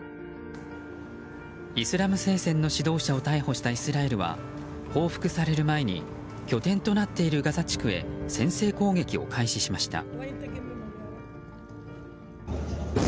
イスラム聖戦の指導者を逮捕したイスラエルは報復される前に拠点となっているガザ地区へ先制攻撃を開始しました。